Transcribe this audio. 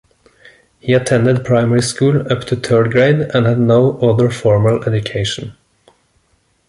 He attended primary school up to third grade and had no other formal education.